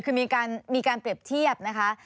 คือมีการเปรียบเทียบนะคะ